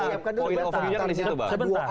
itu oil of view nya yang di situ pak